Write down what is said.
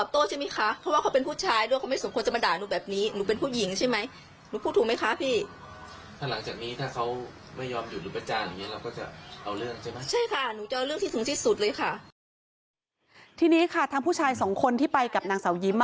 ทีนี้ค่ะทางผู้ชายสองคนที่ไปกับนางสาวยิ้ม